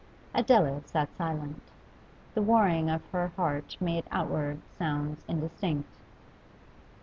Adela sat silent. The warring of her heart made outward sounds indistinct.